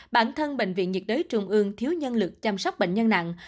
bản thân bệnh viện nhiệt đới trung ương thiếu nhân lực chăm sóc bệnh nhân nặng